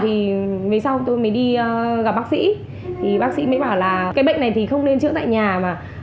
thì về sau tôi mới đi gặp bác sĩ thì bác sĩ mới bảo là cái bệnh này thì không nên chữa tại nhà mà